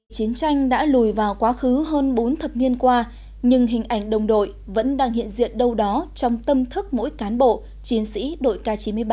chiến tranh đã lùi vào quá khứ hơn bốn thập niên qua nhưng hình ảnh đồng đội vẫn đang hiện diện đâu đó trong tâm thức mỗi cán bộ chiến sĩ đội k chín mươi ba